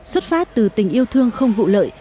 xuất phát từ tình yêu thương không vụ lợi